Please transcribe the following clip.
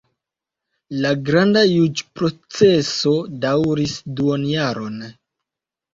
La granda juĝ-proceso daŭris duonjaron.